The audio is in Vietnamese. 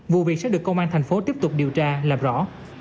vụ việc sẽ được công an thành phố tiếp tục điều tra làm rõ